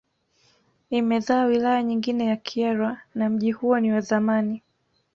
Imezaa wilaya nyingine ya Kyerwa na mji huo ni wa zamani